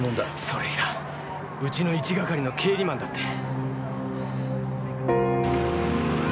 それがうちの１係の経理マンだって。